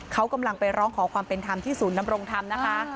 เขากำลังไปร้องขอความเป็นธรรมที่ศูนย์นำรงธรรมนะคะ